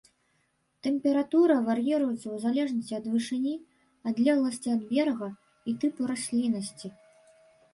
Тэмпература вар'іруецца ў залежнасці ад вышыні, адлегласці ад берага і тыпу расліннасці.